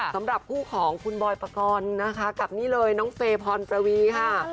สำหรับคู่ของคุณบอยปกรณ์นะคะกับนี่เลยน้องเฟย์พรประวีค่ะ